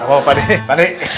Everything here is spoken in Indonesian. apa pakdeh pakdeh